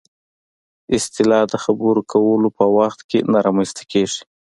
اصطلاح د خبرو کولو په وخت کې نه رامنځته کېږي